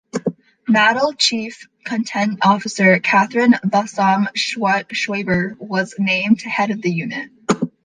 Mattel chief content officer Catherine Balsam-Schwaber was named to head the unit.